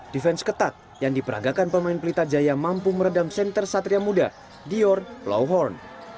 defense ketat yang diperagakan pemain pelita jaya mampu meredam center satria muda dior lawon